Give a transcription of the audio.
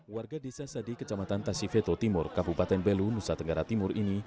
warga desa sadi kecamatan tasiveto timur kabupaten belu nusa tenggara timur ini